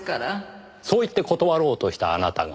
そう言って断ろうとしたあなたが。